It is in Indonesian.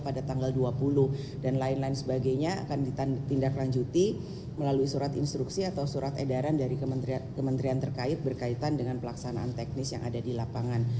pada tanggal dua puluh dan lain lain sebagainya akan ditindaklanjuti melalui surat instruksi atau surat edaran dari kementerian terkait berkaitan dengan pelaksanaan teknis yang ada di lapangan